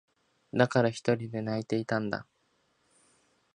だから、ひとりで泣いていたんだ。